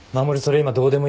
今どうでもいいから。